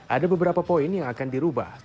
ada beberapa poin yang akan dirubah